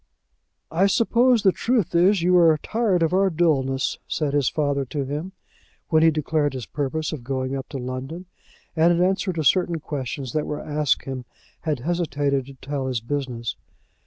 "I suppose the truth is you are tired of our dulness," said his father to him, when he declared his purpose of going up to London, and, in answer to certain questions that were asked him, had hesitated to tell his business.